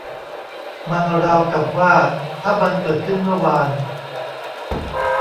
มันราวกับว่าถ้ามันเกิดขึ้นเมื่อวาน